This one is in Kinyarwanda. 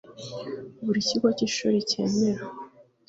buri kigo cy ishuri cyemera